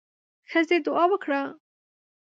ښځه دعا وکړه.